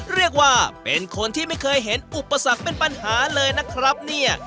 เรียกว่าเป็นคนที่ไม่เคยเห็นอุปสรรคเป็นปัญหาเลยนะครับเนี่ย